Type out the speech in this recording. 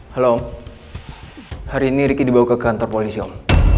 halo hari ini riki dibawa ke kantor polisi om